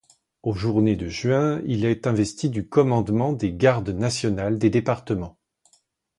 Aux journées de juin, il est investi du commandement des gardes nationales des départements.